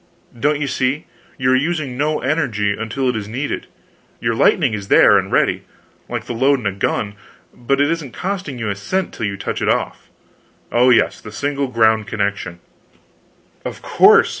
Don't you see? you are using no energy until it is needed; your lightning is there, and ready, like the load in a gun; but it isn't costing you a cent till you touch it off. Oh, yes, the single ground connection " "Of course!